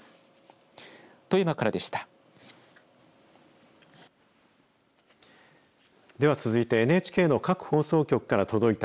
富山からでした。